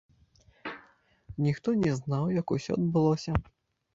Ніхто не знаў, як ўсё адбылося.